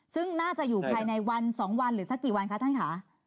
ซึ่งน่าจะอยู่ภายในวัน๒วันหรือสักกี่วันคะท่านค่ะ